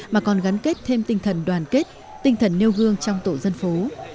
mà còn gắn kết thêm tinh thần đoàn kết tinh thần nêu gương trong tổ dân phố